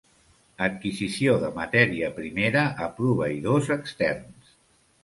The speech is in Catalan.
Adquisició de matèria primera a proveïdors externs.